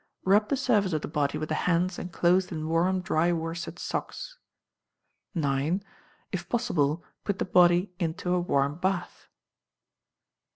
Rub the surface of the body with the hands enclosed in warm dry worsted socks. ix. If possible, put the body into a warm bath.